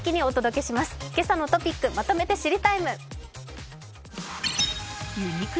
「けさのトピックまとめて知りＴＩＭＥ，」。